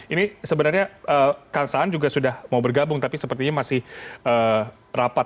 ini sebenarnya kang saan juga sudah mau bergabung tapi sepertinya masih rapat